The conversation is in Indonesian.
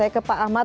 saya ke pak ahmad